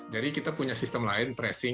jadi kita punya sistem lain tracing